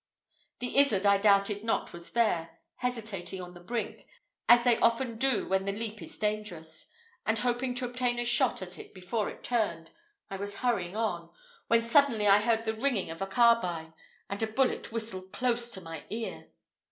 The izzard I doubted not was there, hesitating on the brink, as they often do when the leap is dangerous; and hoping to obtain a shot at it before it turned, I was hurrying on, when suddenly I heard the ringing of a carbine, and a bullet whistled close to my ear.